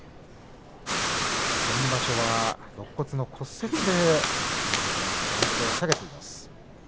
先場所は、ろっ骨の骨折で休場となって番付を下げています。